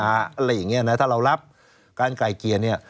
อะไรอย่างเงี้นะถ้าเรารับการไก่เกลี่ยเนี่ย